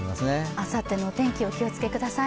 あさってのお天気、お気をつけください。